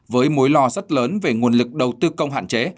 với mối lo rất lớn về nguồn lực đầu tư công hạn chế